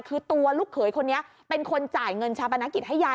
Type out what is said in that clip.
คือตัวลูกเขยคนนี้เป็นคนจ่ายเงินชาปนกิจให้ยาย